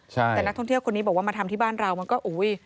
แต่นักท่องเที่ยวคนนี้บอกว่ามาทำที่บ้านเรามันก็อุ้ย